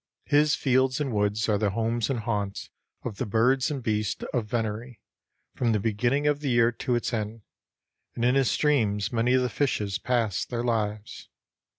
His fields and woods are the homes and haunts of the birds and beasts of venery, from the beginning of the year to its end, and in his streams many of the fishes pass their lives.